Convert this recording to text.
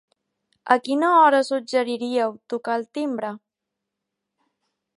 A quina hora suggeriríeu tocar el timbre?